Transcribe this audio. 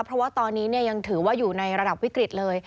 เพราะว่าตอนนี้ยังถือว่าอยู่ในระดับวิกฤตเลย